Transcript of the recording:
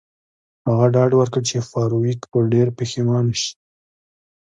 هغه ډاډ ورکړ چې فارویک به ډیر پښیمانه شي